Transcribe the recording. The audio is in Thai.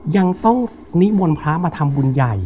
ยังต้องนิมนต์พระมาทำบุญใหญ่